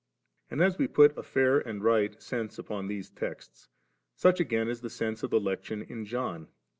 And as we put a fair and rights sense upon these texts, such again is the sense of the lection in John.